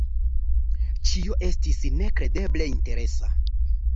Ĉio estis nekredeble interesa.